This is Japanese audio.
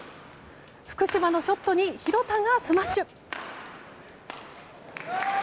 福島のショットに廣田がスマッシュ。